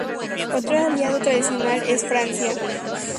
Otro aliado tradicional es Francia.